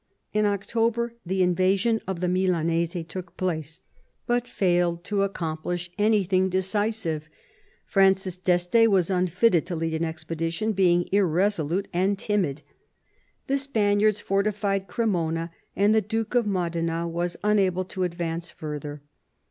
In October the invasion of the Milanese took place, but failed to accomplish anything decisive. Francis d'Este was unfitted to lead an expedition, being irresolute and timid. The Spaniards fortified Cremona, and the Duke of Modena was unable to advance further.